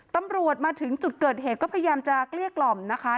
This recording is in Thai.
ตำรวจมาถึงจุดเกิดเหตุก็พยายามจะเกลี้ยกล่อมนะคะ